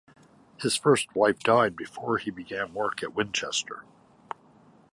His first wife died before he began work at Winchester.